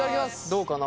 どうかな？